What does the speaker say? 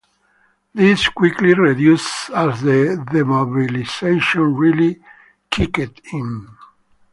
This quickly reduced as the demobilisation really kicked in.